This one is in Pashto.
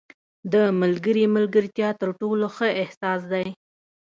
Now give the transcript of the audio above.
• د ملګري ملګرتیا تر ټولو ښه احساس دی.